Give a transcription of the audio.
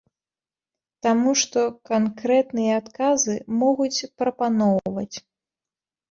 Таму што канкрэтныя адказы могуць прапаноўваць.